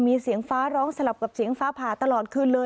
มีเสียงฟ้าร้องสลับกับเสียงฟ้าผ่าตลอดคืนเลย